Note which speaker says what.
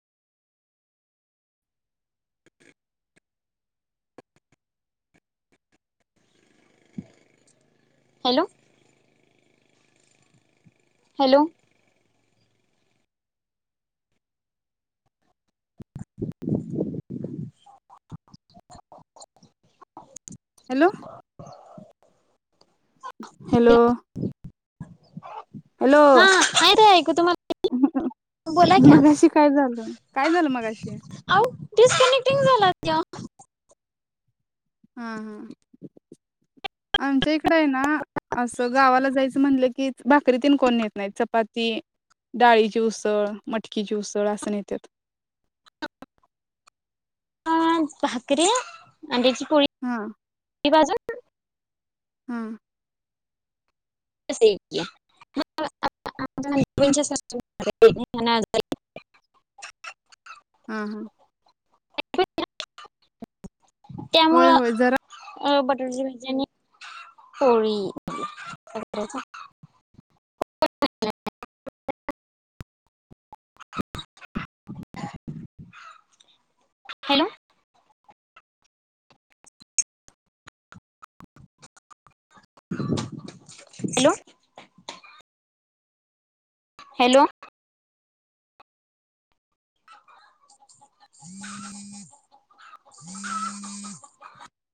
Speaker 1: Hello hello [inaudible]
Speaker 2: hello hello hello
Speaker 1: हा आहे ते ऐकू तुम्हाला बोला की
Speaker 2: मगाशी काय झालं काय झालं मगाशी?
Speaker 1: आव डिस्कनेक्टिंग झाला तो
Speaker 2: हा हा आमच्या इकड आहे ना असं गावाला जायचं म्हणलं की भाकरी तीन कोण नेत नाहीत चपाती डाळीची उसळ मटकीची उसळ असं नेतात.
Speaker 1: अ भाकरी न त्याची
Speaker 2: हा
Speaker 1: ते भाजून
Speaker 2: हा
Speaker 1: [unintelligible]
Speaker 2: हा हा होय होय जरा
Speaker 1: त्यामुळं भाजी आणि पोळी [unintelligible] हॅलो. हॅलो. हॅलो. [unintelligible]